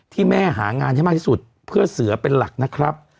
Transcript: ที่แม่หางานให้มากที่สุดเพื่อเสือเป็นหลักนะครับ